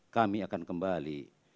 kami akan kembali